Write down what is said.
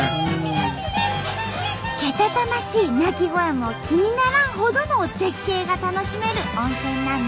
けたたましい鳴き声も気にならんほどの絶景が楽しめる温泉なんです。